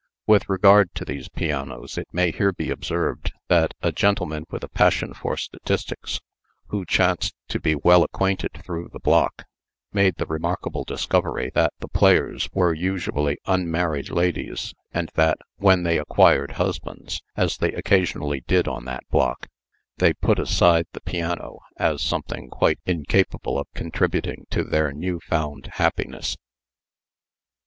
With regard to these pianos, it may here be observed, that a gentleman with a passion for statistics, who chanced to be well acquainted through the block, made the remarkable discovery that the players were usually unmarried ladies; and that, when they acquired husbands (as they occasionally did on that block), they put aside the piano as something quite incapable of contributing to their new found happiness.